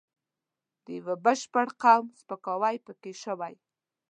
د یوه بشپړ قوم سپکاوی پکې شوی.